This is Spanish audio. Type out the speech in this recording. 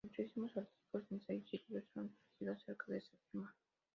Muchísimos artículos, ensayos y libros han surgido acerca de este tema.